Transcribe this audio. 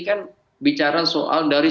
kan bicara soal dari